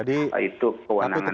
itu kewenangan dari pihak lain